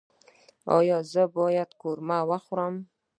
ایا زه باید قورمه وخورم؟